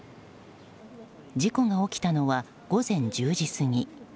事故が起きたのは午前１０時過ぎ。